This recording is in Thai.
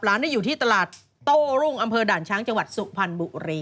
ร้านนี้อยู่ที่ตลาดโต้รุ่งอำเภอด่านช้างจังหวัดสุพรรณบุรี